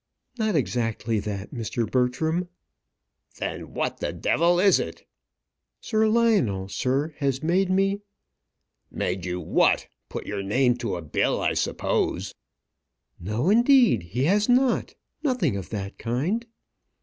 "Not exactly that, Mr. Bertram." "Then what the d is it?" "Sir Lionel, sir, has made me " "Made you what? Put your name to a bill, I suppose." "No; indeed he has not. Nothing of that kind."